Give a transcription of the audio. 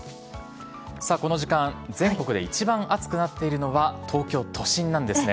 さあ、この時間、全国で一番暑くなっているのは、東京都心なんですね。